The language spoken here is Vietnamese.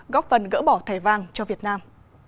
góp phần gỡ bỏ thẻ vàng cho việt nam